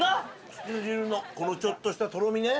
つけ汁のこのちょっとしたとろみね。